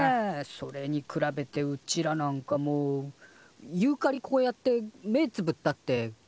それに比べてうちらなんかもうユーカリこうやって目ぇつぶったって。